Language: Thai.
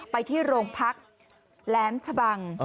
ไปที่โรงพักแหลมชะบัง